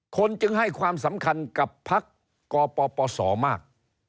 จึงให้ความสำคัญกับพักกปศมาก